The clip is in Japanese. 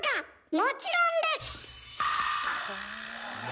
「もちろんです」。え？